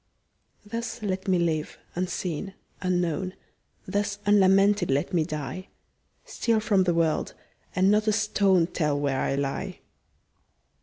Thus let me live, unseen, unknown; Thus unlamented let me die; Steal from the world, and not a stone Tell where I lie.